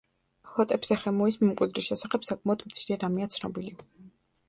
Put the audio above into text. ჰოტეპსეხემუის მემკვიდრის შესახებ საკმაოდ მცირე რამეა ცნობილი.